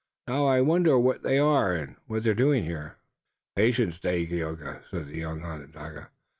Now, I wonder what they are and what they're doing here." "Patience, Dagaeoga," said the young Onondaga.